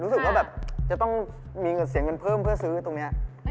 รู้สึกว่าแบบจะต้องมีเงินเสียเงินเพิ่มเพื่อซื้อตรงนี้